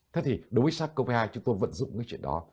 thế thì đối với xác copa chúng tôi vẫn dùng cái chuyện đó